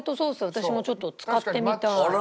私もちょっと使ってみたい。